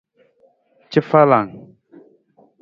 Cafalang.